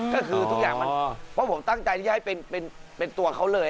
ก็คือทุกอย่างมันเพราะผมตั้งใจที่จะให้เป็นตัวเขาเลย